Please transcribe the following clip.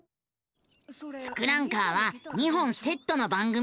「ツクランカー」は２本セットの番組。